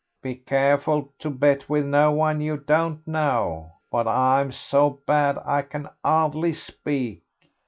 "Be careful to bet with no one you don't know; but I'm so bad I can hardly speak."